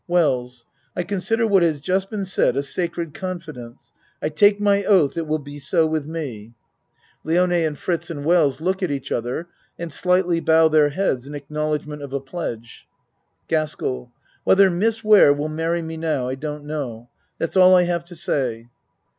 WELLS I consider what has just been said a sacred confidence. I take my oath it will be so with me. ACT IV 109 (Lione and Fritz and Wells look at each other and slightly bow their heads in acknowledgment of a pledge.) GASKELL Whether Miss Ware will marry me now, I don't know. That's all I have to say.